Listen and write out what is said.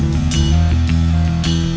lakukan peneliti yang terus menyebut